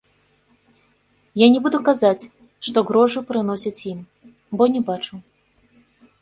Я не буду казаць, што грошы прыносяць ім, бо не бачыў.